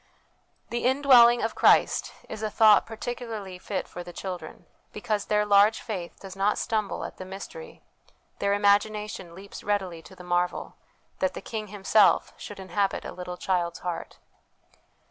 The Indwelling of Christ is a thought particularly fit for the children, because their large faith does not stumble at the mystery, their imagination leaps readily to the marvel, that the King Himself should inhabit a little child's heart.